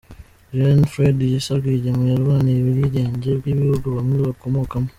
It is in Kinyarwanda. Gen Fred Gisa Rwigema yarwaniye ubwigenge bw’ibihugu bamwe bakomokamo.